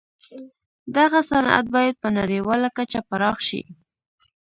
دغه صنعت بايد په نړيواله کچه پراخ شي.